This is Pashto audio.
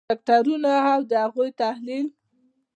کرکټرونه او د هغوی تحلیل: